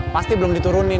pasti belum diturunin